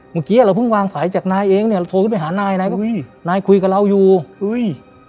เมื่อกี้เราเพิ่งวางสายจากนายเองเนี่ยเราโทรขึ้นไปหานายนายก็มีนายคุยกับเราอยู่อุ้ย